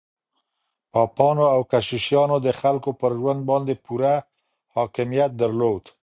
پاپانو او کشيشانو د خلګو پر ژوند باندې پوره حاکميت درلود.